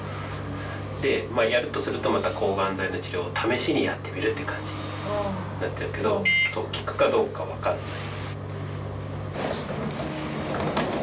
でやるとするとまた抗がん剤の治療を試しにやってみるって感じになっちゃうけど効くかどうかわからない。